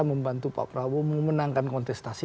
dan membantu pak prabowo memenangkan kontestasi